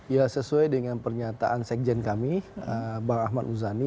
ya sesuai dengan pernyataan sekjen kami bang ahmad muzani